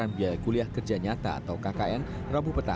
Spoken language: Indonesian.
pak cik tiora di jakarta agak tertawa